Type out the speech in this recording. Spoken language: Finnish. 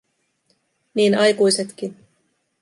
Niin aikuisetkin.